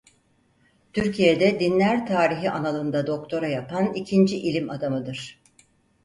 Türkiye'de "Dinler Tarihi" alanında doktora yapan ikinci ilim adamıdır.